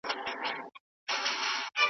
نه له چا سره وي توان د فکر کړلو .